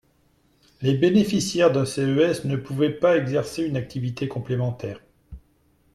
Les bénéficiaires d’un CES ne pouvaient pas exercer une activité complémentaire.